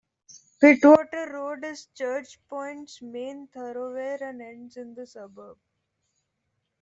Pittwater Road is Church Point's main thoroughfare and ends in the suburb.